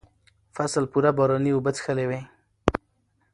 فصل پوره باراني اوبه څښلې وې.